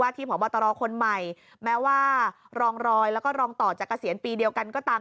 ที่พบตรคนใหม่แม้ว่ารองรอยแล้วก็รองต่อจากเกษียณปีเดียวกันก็ตาม